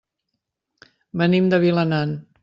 Venim de Vilanant.